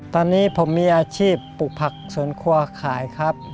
ตอนนี้ผมมีอาชีพปลูกผักสวนครัวขายครับ